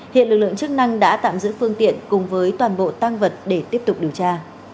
hiện lực lượng chức năng đã tạm giữ phương tiện cùng với toàn bộ tăng vật để tiếp tục điều tra